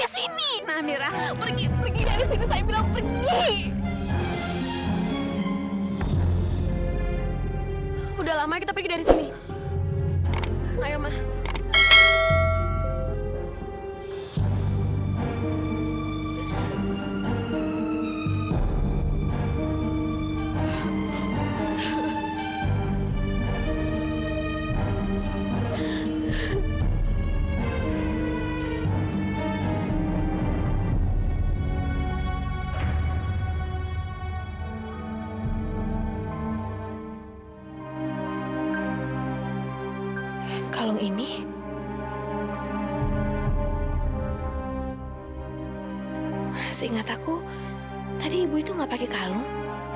seingat aku tadi ibu itu nggak pakai kalung